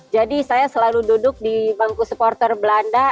jadi saya selalu duduk di bangku supporter belanda